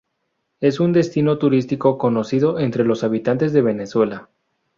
Es un destino turístico conocido entre los habitantes de Venezuela.